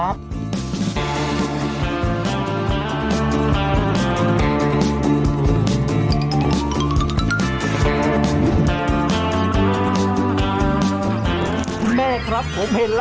ขนมตาล